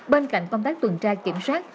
bên cạnh công tác tuần tra kiểm soát